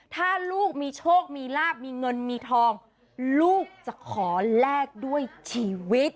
ถ้าลูกมีโชคมีลาบมีเงินมีทองลูกจะขอแลกด้วยชีวิต